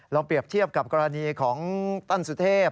เราเปรียบเทียบกับกรณีของตั้นสุเทพธรรม